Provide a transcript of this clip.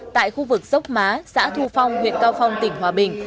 tại khu vực dốc má xã thu phong huyện cao phong tỉnh hòa bình